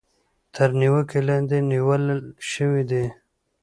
تر نېوکې لاندې نيول شوي دي.